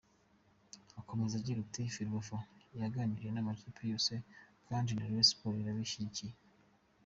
Akomeza agira ati “Ferwafa yaganiriye n’amakipe yose kandi na Rayon Sports irabishyigikiye.